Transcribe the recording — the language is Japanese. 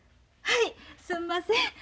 はいすんません。